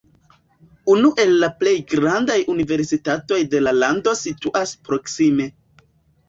Unu el la plej grandaj universitatoj de la lando situas proksime.